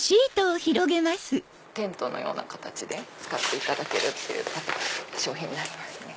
テントのような形で使っていただける商品になりますね。